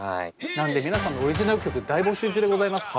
なんで皆さんのオリジナル曲大募集中でございます。